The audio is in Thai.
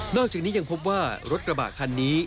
อกจากนี้ยังพบว่ารถกระบะคันนี้